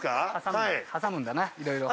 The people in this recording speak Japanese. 挟むんだな色々。